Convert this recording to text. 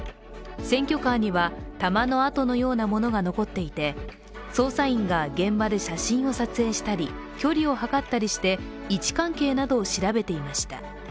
選挙カーには弾の痕のようなものが残っていて、捜査員が現場で写真を撮影したり、距離を測ったりして位置関係などを調べていました。